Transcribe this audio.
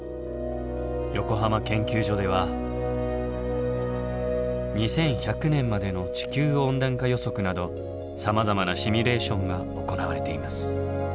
横浜研究所では２１００年までの地球温暖化予測などさまざまなシミュレーションが行われています。